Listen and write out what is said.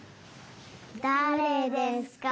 だれですか？